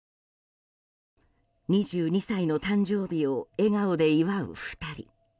２２歳の誕生日を笑顔で祝う２人。